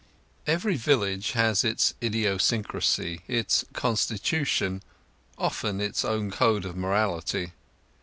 X Every village has its idiosyncrasy, its constitution, often its own code of morality.